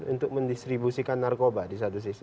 untuk mendistribusikan narkoba di satu sisi